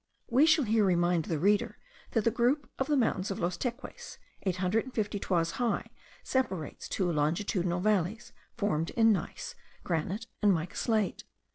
We shall here again remind the reader that the group of the mountains of Los Teques, eight hundred and fifty toises high, separates two longitudinal valleys, formed in gneiss, granite, and mica slate.